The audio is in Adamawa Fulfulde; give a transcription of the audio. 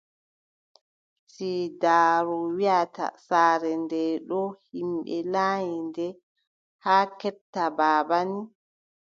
Siidaaru wiʼata, saare ndee ɗoo yimɓe laanyi nde, haa keɓta baaba nii,